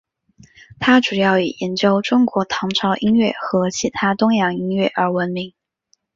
他主要以研究中国唐朝音乐和其他东洋音乐而闻名。